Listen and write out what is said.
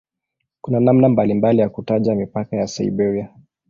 Kuna namna mbalimbali ya kutaja mipaka ya "Siberia".